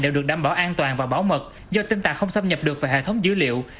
đều được đảm bảo an toàn và bảo mật do tin tạc không xâm nhập được vào hệ thống dữ liệu